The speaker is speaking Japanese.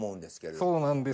そうなんです。